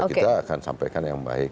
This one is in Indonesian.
kita akan sampaikan yang baik